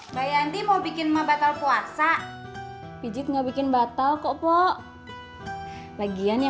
mbak yanti mau bikin emak batal puasa